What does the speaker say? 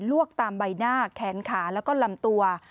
วกตามใบหน้าแขนขาแล้วก็ลำตัว